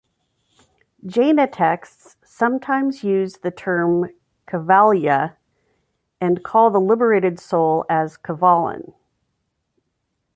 Jaina texts sometimes use the term Kevalya, and call the liberated soul as Kevalin.